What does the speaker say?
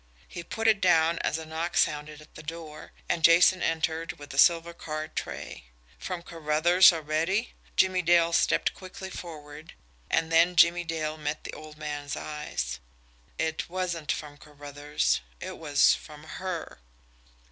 He put it down as a knock sounded at the door, and Jason entered with a silver card tray. From Carruthers already! Jimmie Dale stepped quickly forward and then Jimmie Dale met the old man's eyes. It wasn't from Carruthers it was from HER!